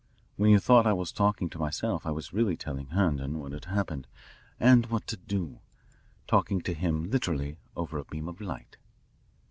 When you thought I was talking to myself I was really telling Herndon what had happened and what to do talking to him literally over a beam of light."